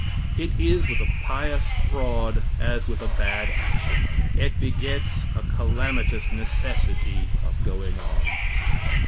"It is with a pious fraud as with a bad action it begets a calamitous necessity of going on.